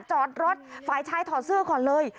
จอดรถฝ่ายชายถอดเสื้อก่อนเลย